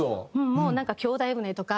もうなんか『兄弟船』とか。